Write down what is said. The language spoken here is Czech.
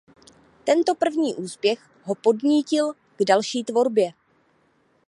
Tento první úspěch ho podnítil k další tvorbě.